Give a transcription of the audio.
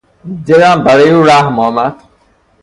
دلم برای او رحم آمد.